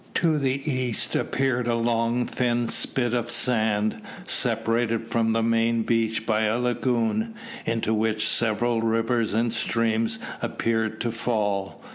To the east appeared a long thin spit of sand, separated from the main beach by a lagoon, into which several rivers and streams appeared to fall.